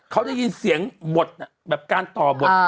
เขาได้ยินเสียงบทแบบการต่อบท